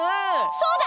そうだ！